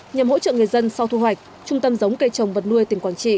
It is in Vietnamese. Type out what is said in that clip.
nhằm hỗ trợ người dân sau thu hoạch trung tâm giống cây trồng vật nuôi tỉnh quảng trị